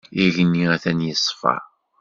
Igenni atan yeṣfa.